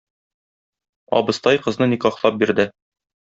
Абыстай кызны никахлап бирде.